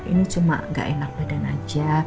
ini cuma gak enak badan aja